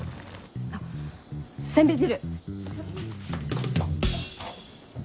あっせんべい汁！